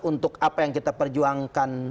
untuk apa yang kita perjuangkan